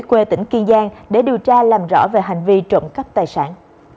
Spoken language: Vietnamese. quê tỉnh kỳ giang để điều tra làm rõ về hành vi trộm cắt tài sản